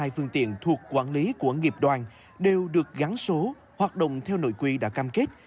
hai trăm bảy mươi hai phương tiện thuộc quản lý của nghiệp đoàn đều được gắn số hoạt động theo nội quy đã cam kết